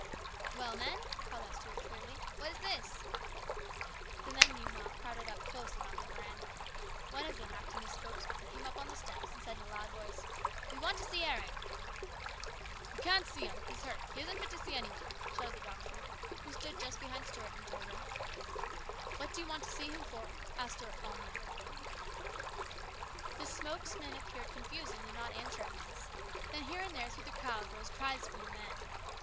"Well, men," called out Stuart clearly, "what is this ?" The men meanwhile crowded up close about the veranda. One of them, acting as spokesman, came up on the steps and said in a loud voice, " We want to see Eric." 11 You can't see him. He's hurt. He isn't fit to see any one!" shouted the doctor, who stood just behind Stuart in the doorway. "What do you want to see him for?" asked Stuart calmly. THE RESCUE. 81 The spokesman appeared confused and did not answer at once. Then here and there through the crowd rose cries from the men.